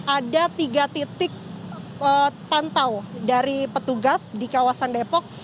ada tiga titik pantau dari petugas di kawasan depok